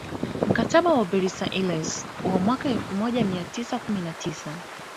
Mkataba wa Versailles wa mwaka elfu moja mia tisa kumi na tisa